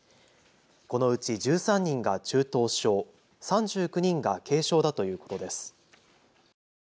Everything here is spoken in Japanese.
このうち１３人が中等症、３９人が軽症だということです。